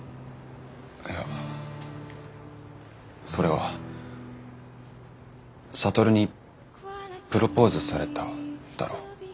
いやそれは智にプロポーズされただろ？